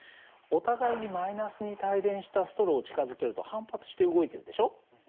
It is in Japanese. お互いにマイナスに帯電したストローを近づけると反発して動いてるでしょ。